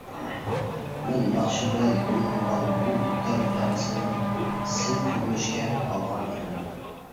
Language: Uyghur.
مەن ناخشا بىلەن ئورۇنلىغان بۇ دۇتار پەدىسىنى سىن كۆرۈنۈشكە ئالغان ئىدىم.